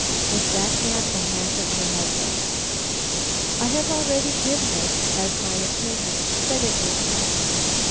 Was that hand the hand of her husband? I have already given it as my opinion that it was not.